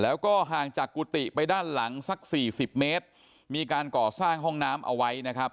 แล้วก็ห่างจากกุฏิไปด้านหลังสักสี่สิบเมตรมีการก่อสร้างห้องน้ำเอาไว้นะครับ